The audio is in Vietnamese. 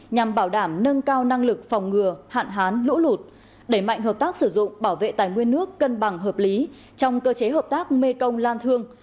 nhằm bảo đảm nâng cao năng lực phòng ngừa hạn hán lũ lụt đẩy mạnh hợp tác sử dụng bảo vệ tài nguyên nước cân bằng hợp lý trong cơ chế hợp tác mê công lan thương